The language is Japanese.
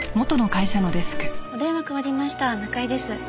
お電話代わりました中井です。